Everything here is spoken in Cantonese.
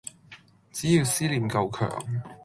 只要思念夠强